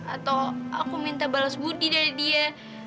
atau aku minta balas budi dari dia